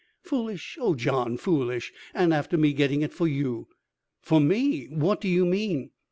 "Foolish! Oh, John! Foolish! And after me getting it for you!" "For me! What do you mean?"